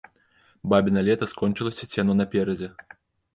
Бабіна лета скончылася ці яно наперадзе?